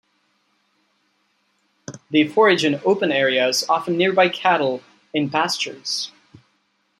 They forage in open areas, often nearby cattle in pastures.